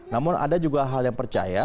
namun ada juga hal yang percaya